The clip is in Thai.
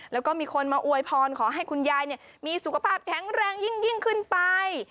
แล้วก็มีคนมาอวยพรขอให้คุณยายมีสุขภาพแข็งแรงยิ่งขึ้นไป